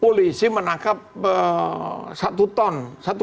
polisi menangkap satu ton